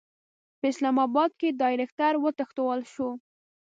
په اسلاماباد کې د ډایرکټر وتښتول شو.